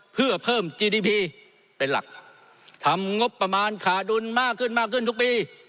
เพื่อเพิ่มจีดีพีเป็นหลักทำงบประมาณขาดดุลมากขึ้นมากขึ้นทุกปี